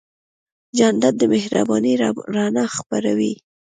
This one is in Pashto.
جانداد د مهربانۍ رڼا خپروي.